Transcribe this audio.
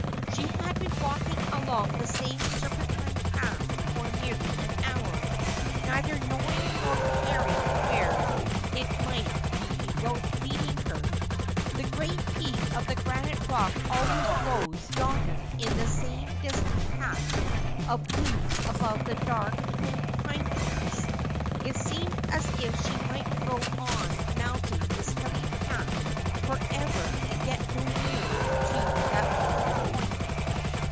She had been walking along the same serpentine path for nearly an hour, neither knowing nor caring where it might be leading her. "The gray peak of the granite rock always rose yonder in the same distant patch of blue above the dark pine trees. It seemed as if she might go on mounting this hilly path for ever and get no nearer to that lonely point.